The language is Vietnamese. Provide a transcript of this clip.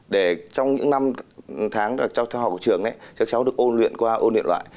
để trong những năm tháng theo học trường các cháu được ôn luyện qua ôn luyện lại